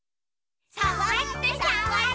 「さわってさわって」